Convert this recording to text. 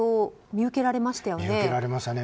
見受けられましたね。